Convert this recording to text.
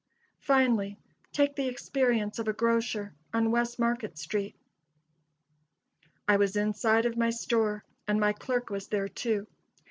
Finally, take the experience of a grocer on West Market street: "I was inside of my store, and my clerk was there, too.